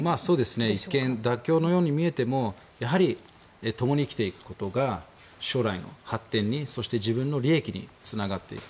一見妥協のように見えてもやはり共に生きていくことが将来の発展にそして自分の利益につながっていく。